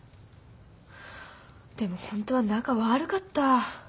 でも本当は仲悪かった。